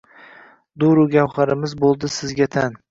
Durru gavharimiz bo’ldi sizga tan